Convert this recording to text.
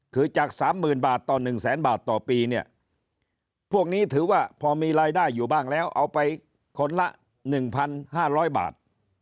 คือจาก๓๐๐๐บาทต่อ๑แสนบาทต่อปีเนี่ยพวกนี้ถือว่าพอมีรายได้อยู่บ้างแล้วเอาไปคนละ๑๕๐๐บาท